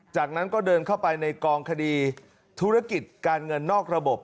จากนั้นก็เดินเข้าไปในกองคดีธุรกิจการเงินนอกระบบ